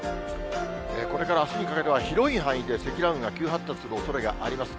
これからあすにかけては広い範囲で積乱雲が急発達するおそれがあります。